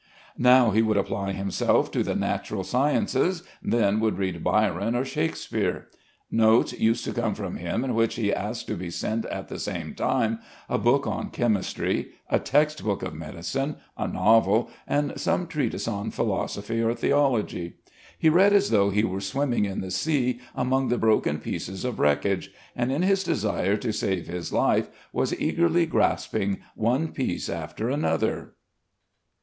Now he would apply himself to the natural sciences, then would read Byron or Shakespeare. Notes used to come from him in which he asked to be sent at the same time a book on chemistry, a text book of medicine, a novel, and some treatise on philosophy or theology. He read as though he were swimming in the sea among the broken pieces of wreckage, and in his desire to save his life was eagerly grasping one piece after another.